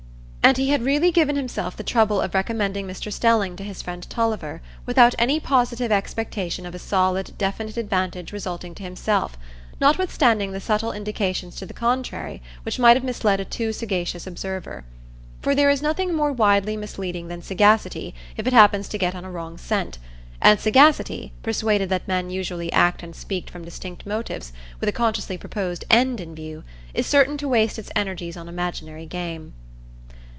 And he had really given himself the trouble of recommending Mr Stelling to his friend Tulliver without any positive expectation of a solid, definite advantage resulting to himself, notwithstanding the subtle indications to the contrary which might have misled a too sagacious observer. For there is nothing more widely misleading than sagacity if it happens to get on a wrong scent; and sagacity, persuaded that men usually act and speak from distinct motives, with a consciously proposed end in view, is certain to waste its energies on imaginary game.